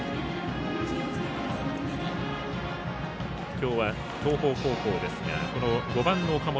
今日は東邦高校ですがこの５番の岡本